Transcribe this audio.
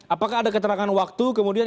apakah ada keterangan waktu kemudian